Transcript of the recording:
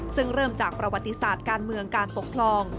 ซึ่งเริ่มจากประวัติศาสตร์การเมืองการปกครอง